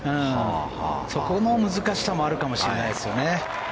そこの難しさもあるかもしれないですよね。